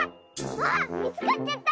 わみつかっちゃった！